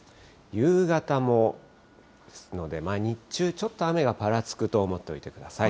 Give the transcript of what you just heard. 夕方も、ですので日中ちょっと雨がぱらつくと思っておいてください。